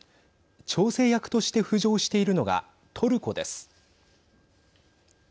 調整役として浮上しているのがトルコです。